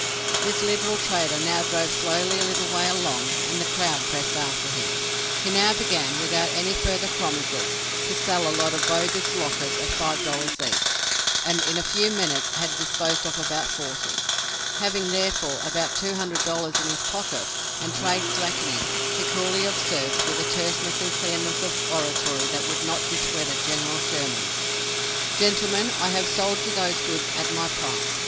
This liberal trader now drove slowly a little way along, and the crowd pressed after him. He now began, without any further promises, to sell a lot of bogus lockets at five dollars each, and in a few minutes had disposed of about forty. Having, therefore, about two hundred dollars in his pocket, and trade slackening, he coolly observes, with a terseness and clearness of oratory that would not discredit General Sherman: "Gentlemen I have sold you those goods at my price.